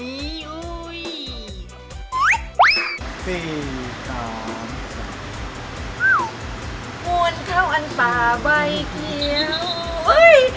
วนเข้าอันป่าใบเขียว